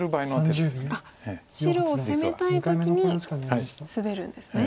白を攻めたい時にスベるんですね。